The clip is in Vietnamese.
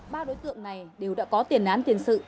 ba đối tượng này đều đã có tiền án tiền sự